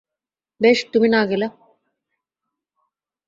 বেশ, তুমি না গেলো।